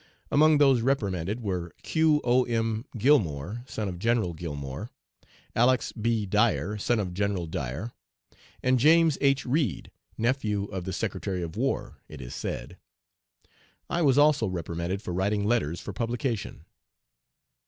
Among those reprimanded were Q. O'M. Gillmore, son of General Gillmore; Alex. B. Dyer, son of General Dyer; and James H. Reid, nephew of the Secretary of War (it is said). I was also reprimanded for writing letters for publication.